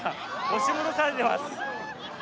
押し戻されてます。